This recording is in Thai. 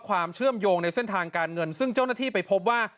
ความเชื่อมโยงในเส้นทางการเงินซึ่งเจ้าหน้าที่ไปพบว่า